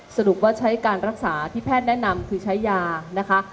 สรุปว่าใช้การรักษาที่แพทย์แนะนำคือใช้ยานะคะ